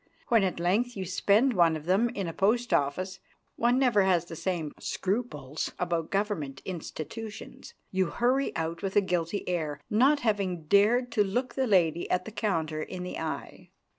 When at length you spend one of them in a post office one never has the same scruples about Government institutions you hurry out with a guilty air, not having dared to look the lady at the counter in the eye.